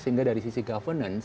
sehingga dari sisi governance